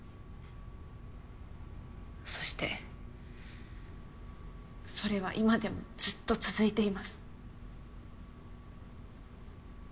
そしてそれは今でもずっと続いています。